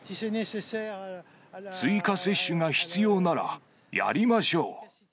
追加接種が必要なら、やりましょう。